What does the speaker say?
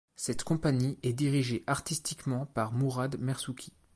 Cette compagnie est dirigée artistiquement par Mourad Merzouki.